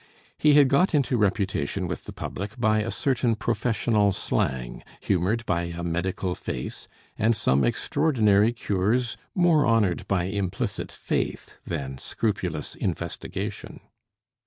He had got into reputation with the public by a certain professional slang, humored by a medical face, and some extraordinary cures more honored by implicit faith than scrupulous investigation.